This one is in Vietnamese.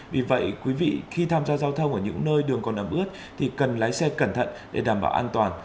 vì vậy quý vị khi tham gia giao thông ở những nơi đường còn ấm ướt thì cần lái xe cẩn thận để đảm bảo an toàn